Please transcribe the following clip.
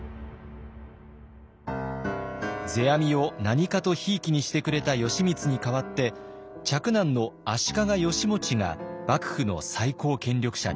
世阿弥を何かとひいきにしてくれた義満に代わって嫡男の足利義持が幕府の最高権力者に。